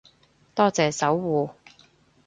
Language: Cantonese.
多謝守護